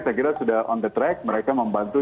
saya kira sudah on the track mereka membantu